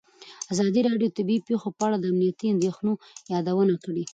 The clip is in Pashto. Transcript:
ازادي راډیو د طبیعي پېښې په اړه د امنیتي اندېښنو یادونه کړې.